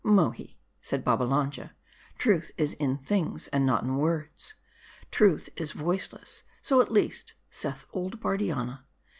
" Mohi/' said Babbalanja, " truth is in things, and not in words : truth is voiceless ; so at least saith old Bardianna.